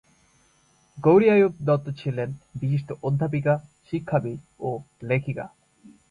গৌরী আইয়ুব দত্ত ছিলেন বিশিষ্ট অধ্যাপিকা, শিক্ষাবিদ ও লেখিকা।